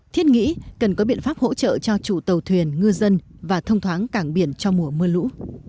thiết nghĩ cần có biện pháp hỗ trợ cho chủ tàu thuyền ngư dân và thông thoáng cảng biển cho mùa mưa lũ